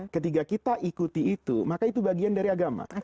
ketika kita ikuti itu maka itu bagian dari agama